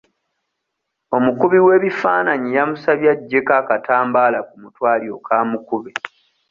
Omukubi w'ebifaananyi yamusabye agyeko akatambaala ku mutwe alyoke amukube.